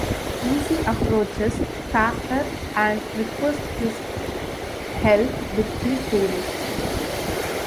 Easy approaches Carter and requests his help with the police.